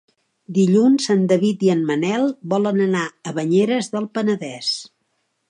Dilluns en David i en Manel volen anar a Banyeres del Penedès.